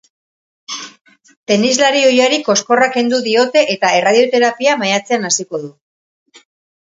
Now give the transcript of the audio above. Tenislari ohiari koskorra kendu diote eta erradioterapia maiatzean hasiko du.